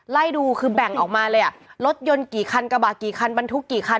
ไล่ดูคือแบ่งออกมาเลยอ่ะรถยนต์กี่คันกระบะกี่คันบรรทุกกี่คัน